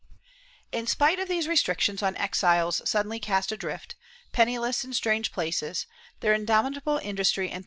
^ In spite of these restrictions on exiles suddenly cast adrift, penniless in strange places, their indomitable industry and thrift » Marmol Carvajal, pp.